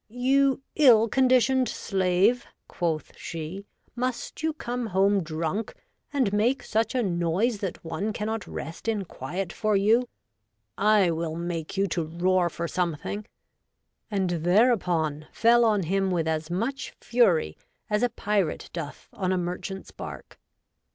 You ill condi tioned slave,'' quoth she, " must you come home drunk and make such a noise that one cannot rest in quiet for you ? I will make you to roar for some thing," and thereupon fell on him with as much Fury as a Pyrat doth on a Merchant's bark.